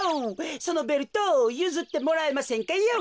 そのベルトゆずってもらえませんかヨー。